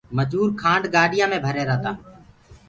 مجوٚر کآنڊ گاڏيآنٚ مي ڀر رهيرآ تآ۔